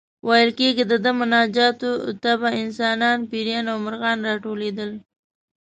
ویل کېږي د ده مناجاتو ته به انسانان، پېریان او مرغان راټولېدل.